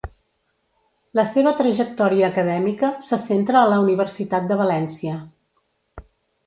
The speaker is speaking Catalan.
La seva trajectòria acadèmica se centra a la Universitat de València.